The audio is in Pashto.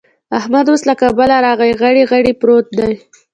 احمد اوس له کابله راغی؛ غړي غړي پروت دی.